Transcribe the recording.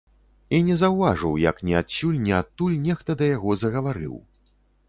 І не заўважыў, як ні адсюль, ні адтуль нехта да яго загаварыў.